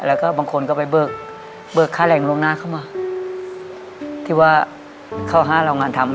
แล้วก็บางคนก็ไปเบิกเบิกค่าแรงล่วงหน้าเข้ามาที่ว่าเข้าห้าโรงงานทำ